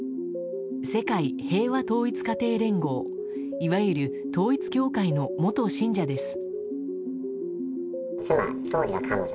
世界平和統一家庭連合いわゆる統一教会の元信者です。